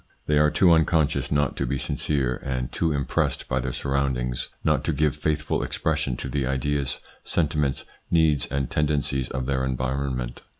They are too unconscious not to be sincere, and too impressed by their surround ings not to give faithful expression to the ideas, sentiments, needs and tendencies of their environ ment.